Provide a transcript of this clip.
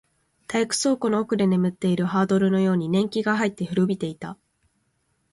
体育倉庫の奥で眠っているハードルのように年季が入って、古びていた